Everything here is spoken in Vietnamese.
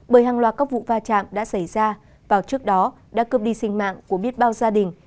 bởi hàng loạt các vụ va chạm đã xảy ra vào trước đó đã cướp đi sinh mạng của biết bao gia đình